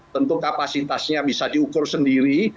tentu kapasitasnya bisa diukur sendiri